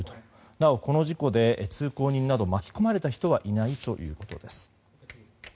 なお、この事故で通行人など巻き込まれた人はいないということです。